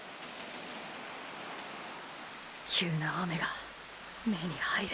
急な雨が目に入る。